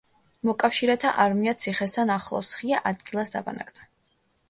მოკავშირეთა არმია ციხესთან ახლოს, ღია ადგილას დაბანაკდა.